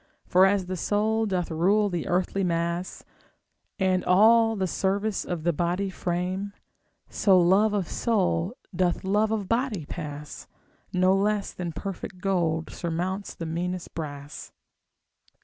For as the soul doth rule the earthly mass, And all the service of the body frame, So love of soul doth love of body pass, No less than perfect gold surmounts the meanest brass.